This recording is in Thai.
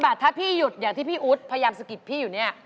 บาทถ้าพี่หยุดอย่างที่พี่อุ๊ดพยายามสะกิดพี่อยู่เนี่ย